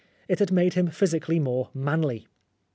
It had made him physically more manly.